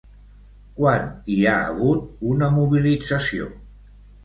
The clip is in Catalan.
Quan hi ha hagut una mobilització?